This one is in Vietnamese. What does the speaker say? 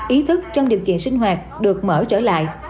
ý thức trong điều kiện sinh hoạt được mở trở lại